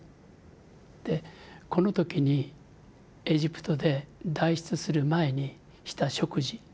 この時にエジプトで脱出する前にした食事